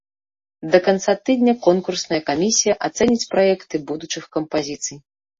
Да канца тыдня конкурсная камісія ацэніць праекты будучых кампазіцый.